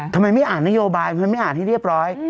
ทำไมไม่อ่านนโยบายทำไมไม่อ่านให้เรียบร้อย